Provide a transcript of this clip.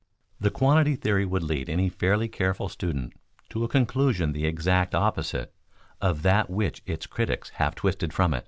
The quantity theory would lead any fairly careful student to a conclusion the exact opposite of that which its critics have twisted from it.